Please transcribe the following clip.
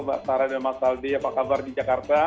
mbak sarah dan mas aldi apa kabar di jakarta